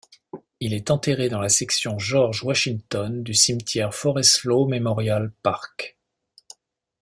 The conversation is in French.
Il est enterré dans la section George Washington du cimetière Forest Lawn Memorial Park.